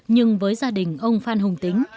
nhưng với gia đình ông phan hùng tính